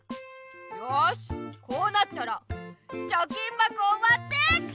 よしこうなったらちょきんばこをわって。